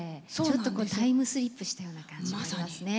タイムスリップしたような感じもありますね。